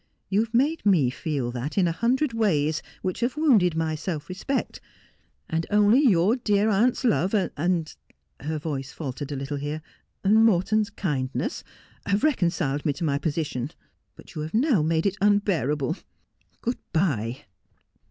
You have made me feel that in a hundred ways, which have wounded my self respect ; and only your dear aunt's love, and,' — her voice faltered a Jittle here —' Morton's kindness — have reconciled me to my joosition. But you have now made it unbearable. Good bye.'